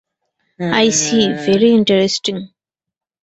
I see, very interesting.